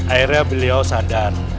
akhirnya beliau sadar